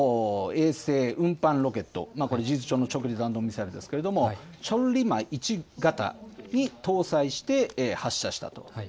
新型の衛星運搬ロケット、これ事実上の長距離弾道ミサイルですけれども、チョンリマ１型に搭載して発射したと。